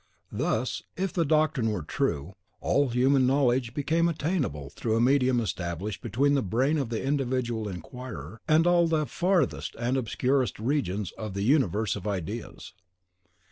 Thus, if the doctrine were true, all human knowledge became attainable through a medium established between the brain of the individual inquirer and all the farthest and obscurest regions in the universe of ideas.